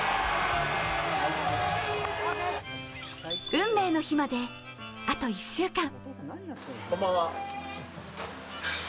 運命の日まで、あと１週間。